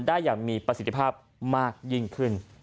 ได้อย่างมีประสิทธิภาพมากยิ่งขึ้น